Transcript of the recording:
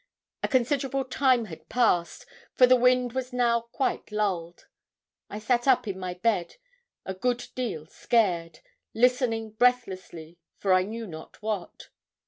A considerable time had passed, for the wind was now quite lulled. I sat up in my bed a good deal scared, listening breathlessly for I knew not what.